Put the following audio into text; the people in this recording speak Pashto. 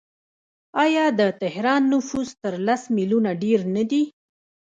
آیا د تهران نفوس تر لس میلیونه ډیر نه دی؟